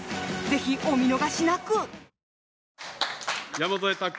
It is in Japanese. ぜひお見逃しなく！